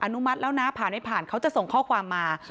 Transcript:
นุมัติแล้วนะผ่านให้ผ่านเขาจะส่งข้อความมา